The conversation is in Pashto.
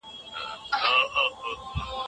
له زورورو څخه د مظلومانو حق واخلئ.